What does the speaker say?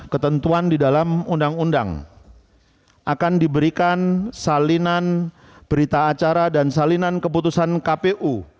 ketentuan di dalam undang undang akan diberikan salinan berita acara dan salinan keputusan kpu